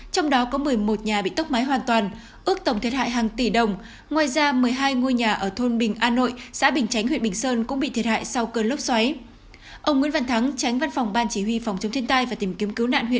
trong đó có một mươi một nhà bị tốc máy hoàn toàn ước tổng thiệt hại hàng tỷ đồng ngoài ra một mươi hai ngôi nhà ở thôn bình an nội xã bình chánh huyện bình sơn cũng bị thiệt hại sau cơn lốc xoáy